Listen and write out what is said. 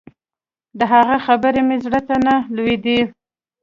د هغه خبرې مې زړه ته نه لوېدې.